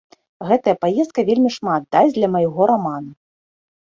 Гэтая паездка вельмі шмат дасць для майго рамана.